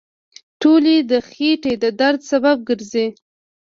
ټولې د خېټې د درد سبب ګرځي.